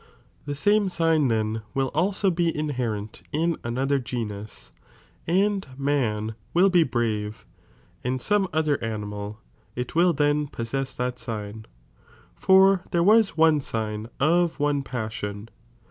The same (sign) then will also be inherent in another genus, and man will be brave, and some other animal, it will then posseaa that sign,* for there was one (sign) of one (paaaion).